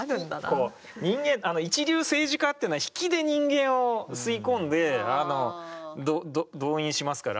人間一流政治家っていうのは引きで人間を吸い込んであの動員しますから。